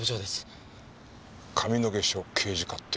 上野毛署刑事課って。